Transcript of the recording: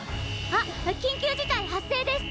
あっ緊急事態発生です！